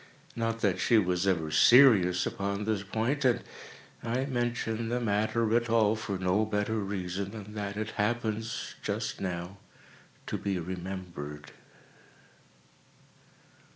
Not that she was ever serious upon this point—and I mention the matter at all for no better reason than that it happens, just now, to be remembered.